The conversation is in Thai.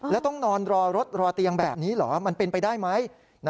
แล้วต้องนอนรอรถรอเตียงแบบนี้เหรอมันเป็นไปได้ไหม